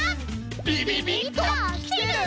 びびびっときてる？